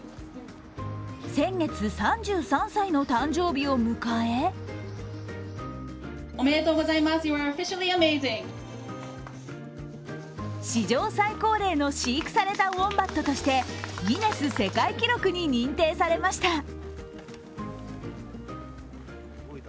先月３３歳の誕生日を迎え史上最高齢の飼育されたウオンバットとしてギネス世界記録に認定されました。